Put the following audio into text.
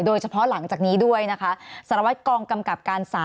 โดยเฉพาะหลังจากนี้ด้วยนะคะสารวัตรกองกำกับการ๓